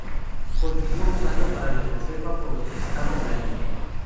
Continuó jugando para la reserva por lo que restaba del año.